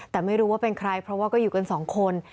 แต่ไม่รู้ว่าเป็นใครเพราะว่าก็อยู่กันสองคน